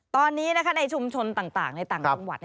ตอนนี้ในชุมชนต่างในต่างจังหวัด